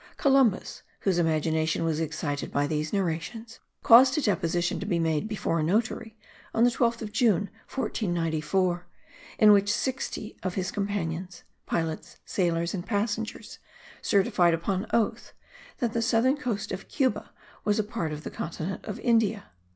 Columbus, whose imagination was excited by these narrations, caused a deposition to be made before a notary, on the 12th of June, 1494, in which sixty of his companions, pilots, sailors and passengers certified upon oath that the southern coast of Cuba was a part of the continent of India.